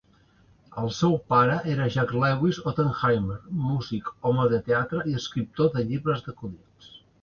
El seu pare era Jack Lewis Ottenheimer, músic, home de teatre i escriptor de llibres d'acudits.